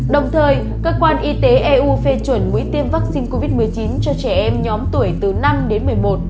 đồng thời cơ quan y tế eu phê chuẩn mũi tiêm vaccine covid một mươi chín cho trẻ em nhóm tuổi từ năm đến một mươi một